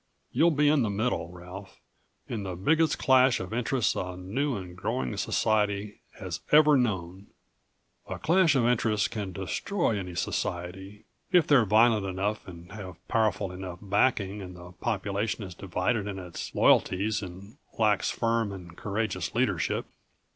You'll be in the middle, Ralph, in the biggest clash of interests a new and growing society has ever known. "A clash of interests can destroy any society, if they're violent enough and have powerful enough backing and the population is divided in its loyalties and lacks firm and courageous leadership.